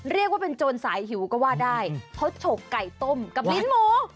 เรียกว่าเป็นโจรสายหิวก็ว่าได้เขาฉกไก่ต้มกับลิ้นหมู